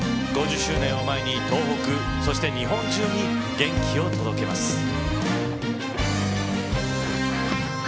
５０周年を前に東北そして、日本中に元気を届けます。